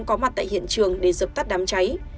có mặt tại hiện trường để dập tắt đám cháy